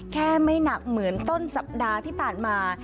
ไม่หนักเหมือนต้นสัปดาห์ที่ผ่านมา